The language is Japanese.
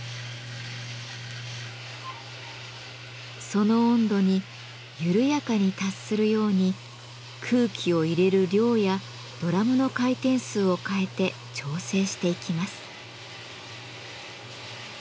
その温度に緩やかに達するように空気を入れる量やドラムの回転数を変えて調整していきます。